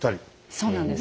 そうなんです。